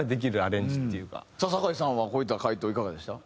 さかいさんはこういった回答いかがでした？